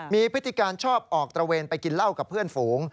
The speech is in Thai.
มีพฤติการชอบออกตระเวนไปกินเหล้ากับเพื่อนฝูง